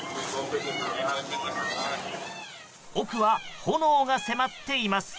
奥は、炎が迫っています。